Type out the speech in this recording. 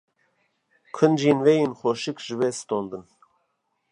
Kincên wê yên xweşik ji wê standin